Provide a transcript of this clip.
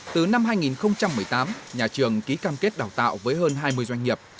từ năm hai nghìn một mươi tám nhà trường ký cam kết đào tạo với hơn hai mươi doanh nghiệp